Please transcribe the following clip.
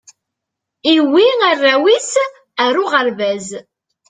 iwwi arraw is ar uɣerbaz